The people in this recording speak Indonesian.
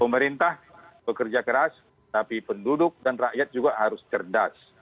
pemerintah bekerja keras tapi penduduk dan rakyat juga harus cerdas